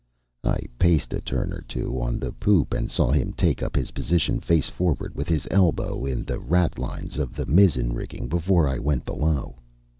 I paced a turn or two on the poop and saw him take up his position face forward with his elbow in the ratlines of the mizzen rigging before I went below.